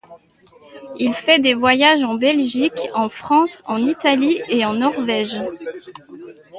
Il fait des voyages en Belgique, en France, en Italie et en Norvège.